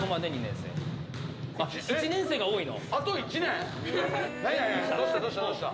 １年生が多いの。